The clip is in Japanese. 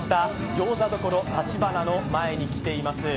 餃子処たちばなの前に来ています。